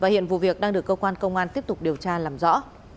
hiện vụ việc đang được cơ quan công an tiếp tục điều tra làm rõ